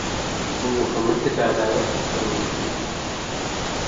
په محکمه کي عدالت غوښتنه وکړئ.